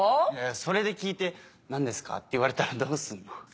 それで聞いて「何ですか？」って言われたらどうすんの？